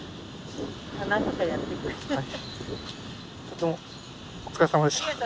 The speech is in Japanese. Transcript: どうもお疲れさまでした。